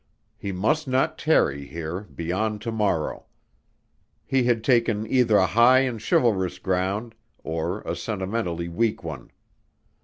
He must not tarry here, beyond to morrow. He had taken either a high and chivalrous ground or a sentimentally weak one.